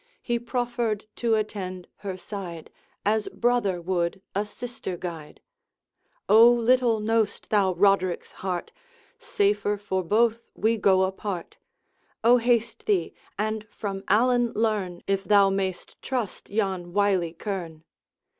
He proffered to attend her side, As brother would a sister guide. 'O little know'st thou Roderick's heart! Safer for both we go apart. O haste thee, and from Allan learn If thou mayst trust yon wily kern.'